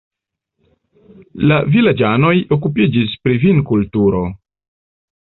La vilaĝanoj okupiĝis pri vinkulturo.